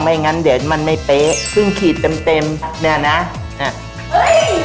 งั้นเดี๋ยวมันไม่เป๊ะเพิ่งขีดเต็มเต็มเนี่ยนะ